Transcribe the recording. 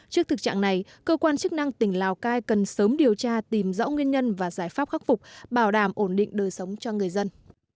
trước thực trạng này cơ quan chức năng tỉnh lào cai cần sớm điều tra tìm rõ nguyên nhân và giải pháp khắc phục bảo đảm ổn định đời sống cho người dân